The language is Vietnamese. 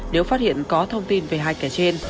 nếu phát hiện có thông tin về hai kẻ trên